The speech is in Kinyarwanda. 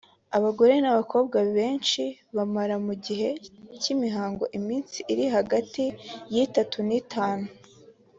Abagore n’abakobwa benshi bamara mu gihe cy’imihango iminsi iri hagati y’itatu n’itanu